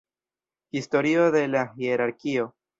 Historio de la hierarkio.